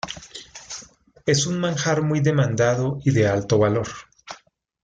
Es un manjar muy demandado y de alto valor.